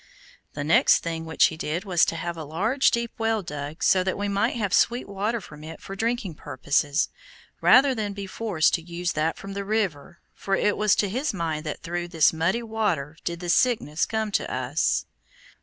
The next thing which he did was to have a large, deep well dug, so that we might have sweet water from it for drinking purposes, rather than be forced to use that from the river, for it was to his mind that through this muddy water did the sickness come to us.